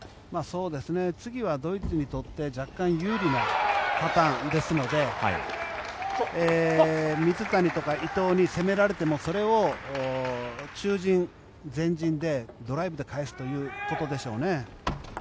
次はドイツにとって若干、有利なパターンですので水谷とか伊藤に攻められてもそれを中陣、前陣でドライブで返すということでしょうね。